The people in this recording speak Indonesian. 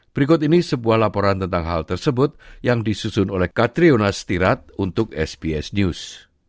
berikut ini sebuah laporan tentang hal tersebut yang disusun oleh katrionastirat untuk sps news